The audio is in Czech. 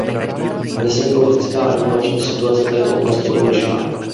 Dnes je politická a regulační situace této oblasti odlišná.